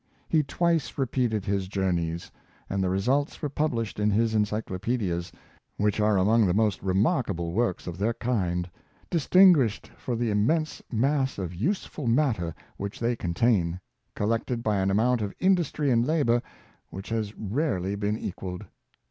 He twice repeated his journeys, and the results were published in his Encyclopaedias, which are among the most remarkable works of their kind — distinguished for the immense mass of useful matter which they contain, collected by an amount of industry and labor which has rarely been equalled.